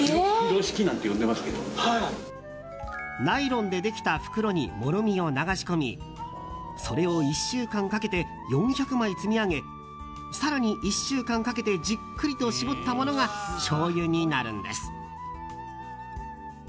ナイロンでできた袋にもろみを流し込みそれを１週間かけて４００枚積み上げ更に、１週間かけてじっくりと搾ったものがしょうゆになるんです。